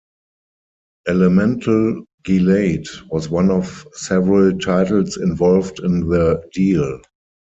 "Elemental Gelade" was one of several titles involved in the deal.